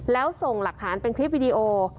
แล้วส่งหลักฐานเป็นคลิปวิดีโอ